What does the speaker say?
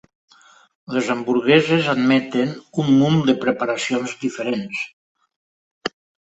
Les hamburgueses admeten un munt de preparacions diferents.